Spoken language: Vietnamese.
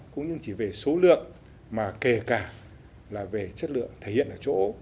cũng như chỉ về số lượng mà kể cả là về chất lượng thể hiện ở chỗ